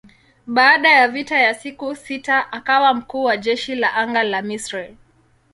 Baada ya vita ya siku sita akawa mkuu wa jeshi la anga la Misri.